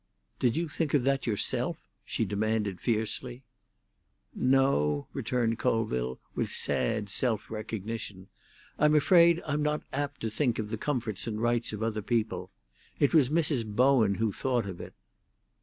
"Did you think of that yourself?" she demanded fiercely. "No," returned Colville, with sad self recognition. "I'm afraid I'm not apt to think of the comforts and rights of other people. It was Mrs. Bowen who thought of it."